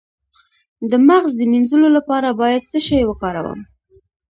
د مغز د مینځلو لپاره باید څه شی وکاروم؟